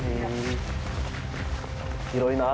広いなぁ。